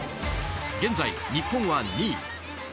現在、日本は２位。